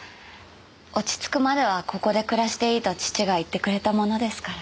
落ち着くまではここで暮らしていいと父が言ってくれたものですから。